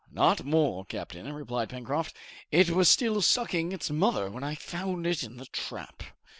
"Not more, captain," replied Pencroft. "It was still sucking its mother when I found it in the trap."